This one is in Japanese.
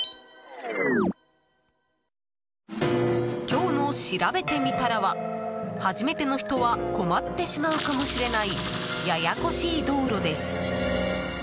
今日のしらべてみたらは初めての人は困ってしまうかもしれないややこしい道路です。